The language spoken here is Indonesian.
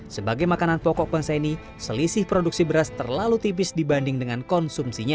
sebagai makanan pokok bangsa ini selisih produksi beras terlalu tipis dibanding dengan konsumsinya